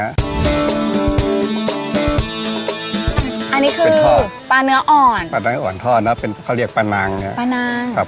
อันนี้คือปลาเนื้ออ่อนปลาเนื้ออ่อนทอดนะเป็นเขาเรียกปลานางเนี่ยปลานาง